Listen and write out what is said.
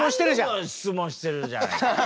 何度も質問してるじゃない。